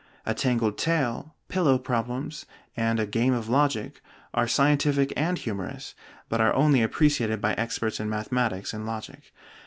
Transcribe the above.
'A Tangled Tale,' 'Pillow Problems,' and a 'Game of Logic' are scientific and humorous, but are only appreciated by experts in mathematics and logic.